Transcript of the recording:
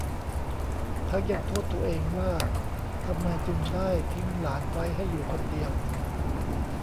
ทั้งยังโทษตัวเองว่าทำไมจึงได้ทิ้งหลานไว้ให้อยู่คนเดียว